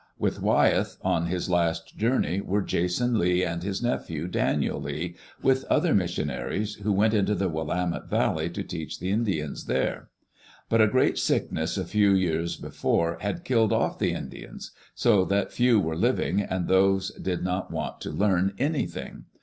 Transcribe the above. With Wyeth, on his last journey, were Jason Lee and his nephew, Daniel Lee, with other missionaries, who went into the Willamette Valley to teach the Indians tliere. But a great sickness a few years before had killed off the Indians so that few were living, and those did not want to learn anything.